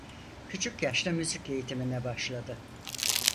Küçük yaşta müzik eğitimine başladı.